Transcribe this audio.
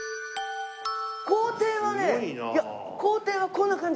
校庭はねいや校庭はこんな感じ。